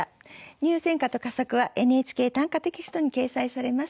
入選歌と佳作は「ＮＨＫ短歌」テキストに掲載されます。